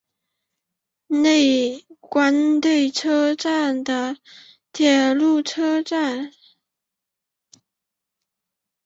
关内车站的铁路车站。